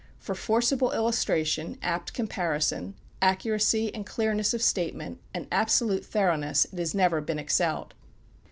For forcible illustration, apt comparison, accuracy and clearness of statement, and absolute thoroughness, it has never been excelled.